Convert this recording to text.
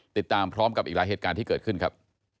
ติดตามพร้อมกับอีกหลายเหตุการณ์ที่เกิดขึ้นครับ